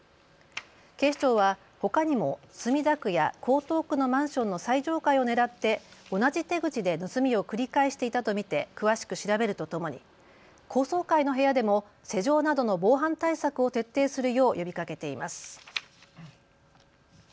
警視庁は、ほかにも墨田区や江東区のマンションの最上階を狙って同じ手口で盗みを繰り返していたと見て詳しく調べるとともに高層階の部屋でも施錠などの防犯対策を徹底するよう呼びかけています。